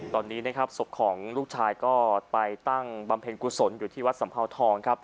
ตอนนี้สมของลูกชายไปตั้งบำเพ็ญกุศลอยู่ที่วัดสำภาวทอง